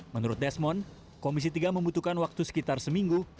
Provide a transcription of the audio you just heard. menurut desmond komisi tiga membutuhkan waktu sekitar seminggu